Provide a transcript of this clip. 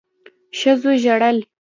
ښځو ژړل.